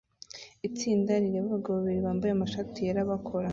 Itsinda rireba abagabo babiri bambaye amashati yera bakora